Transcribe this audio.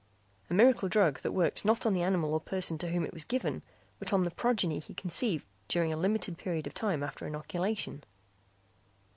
A miracle drug that worked not on the animal or person to whom it was given, but on the progeny he conceived during a limited period of time after inoculation.